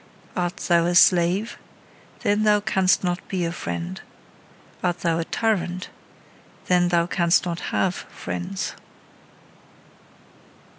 Art thou a slave? Then thou canst not be a friend. Art thou a tyrant? Then thou canst not have friends.